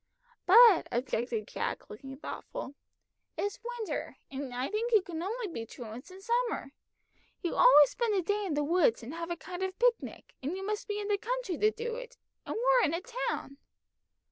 "But," objected Jack, looking thoughtful, "it's winter, and I think you can only be truants in summer. You always spend a day in the woods and have a kind of picnic, and you must be in the country to do it, and we're in a town."